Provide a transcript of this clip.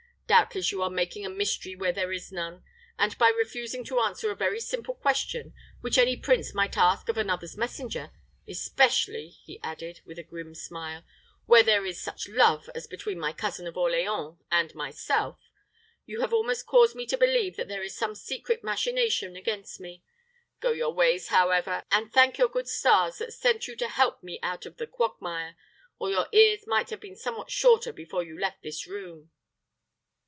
Doubtless you are making a mystery where there is none; and by refusing to answer a very simple question, which any prince might ask of another's messenger especially," he added, with a grim smile, "where there is such love as between my cousin of Orleans and myself you have almost caused me to believe that there is some secret machination against me. Go your ways, however; and thank your good stars that sent you to help me out of the quagmire, or your ears might have been somewhat shorter before you left this room."